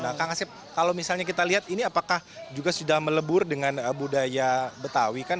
nah kang asep kalau misalnya kita lihat ini apakah juga sudah melebur dengan budaya betawi kan